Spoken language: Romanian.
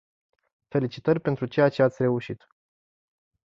Felicitări pentru ceea ce ați reușit.